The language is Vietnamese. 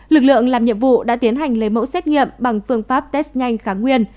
lực lượng làm nhiệm vụ đã tiến hành lấy mẫu xét nghiệm bằng phương pháp test nhanh kháng nguyên